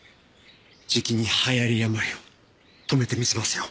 じきに流行病を止めて見せますよ